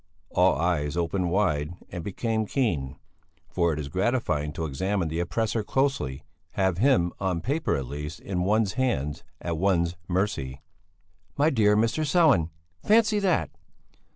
All eyes opened wide and became keen, for it is gratifying to examine the oppressor closely, have him on paper at least in one's hands, at one's mercy. "'My dear Mr. Sellén,' Fancy that!